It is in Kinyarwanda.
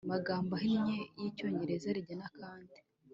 magambo ahinnye y Icyongereza Rigena kandi